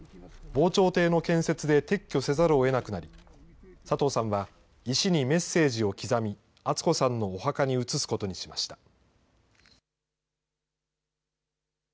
防潮堤の建設で撤去せざるをえなくなり、佐藤さんは石にメッセージを刻み、厚子さんのお墓に移すことにしました。